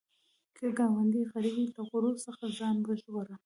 که ګاونډی غریب وي، له غرور څخه ځان وژغوره